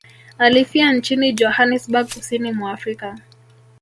Alifia nchini Johannesburg kusini mwa Afrika